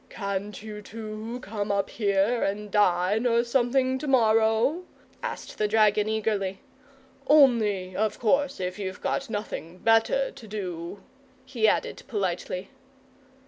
"Can't you two come up here and dine or something to morrow?" asked the dragon eagerly. "Only, of course, if you've got nothing better to do," he added politely.